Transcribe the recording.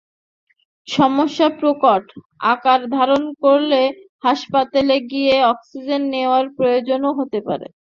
সমস্যা প্রকট আকার ধারণ করলে হাসপাতালে গিয়ে অক্সিজেন নেওয়ার প্রয়োজনও হতে পারে।